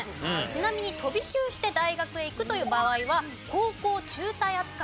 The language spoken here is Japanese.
ちなみに飛び級して大学へ行くという場合は高校中退扱いになるんです。